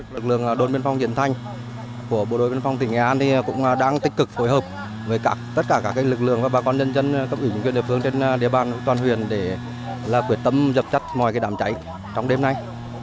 lực lượng đồn biên phòng diễn thanh của bộ đội biên phòng tỉnh nghệ an cũng đang tích cực phối hợp với tất cả các lực lượng và bà con nhân dân cấp ủy quyền địa phương trên địa bàn toàn huyện để quyết tâm dập tắt mọi đám cháy trong đêm nay